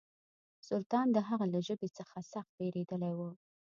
سلطان د هغه له ژبې څخه سخت بېرېدلی و.